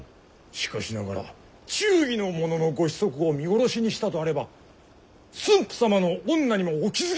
しかしながら忠義の者のご子息を見殺しにしたとあれば駿府様の御名にもお傷が！